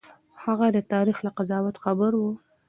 هغه د تاريخ له قضاوت خبر و.